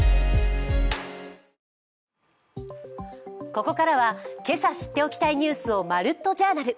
ここからは今朝知っておきたいニュースを「まるっと！Ｊｏｕｒｎａｌ」。